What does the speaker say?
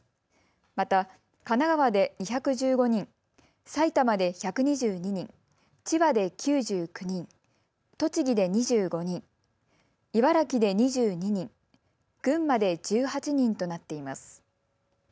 また神奈川で２１５人、埼玉で１２２人、千葉で９９人、栃木で２５人、茨城で２２人、群馬で１８人となっています。